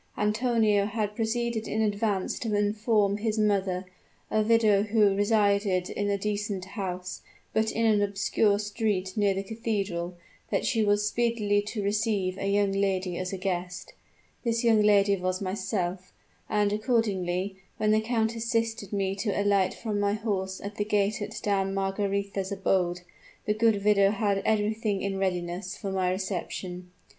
Antonio had proceeded in advance to inform his mother a widow who resided in a decent house, but in an obscure street near the cathedral that she was speedily to receive a young lady as a guest. This young lady was myself; and accordingly, when the count assisted me to alight from my horse at the gate of Dame Margaretha's abode, the good widow had everything in readiness for my reception.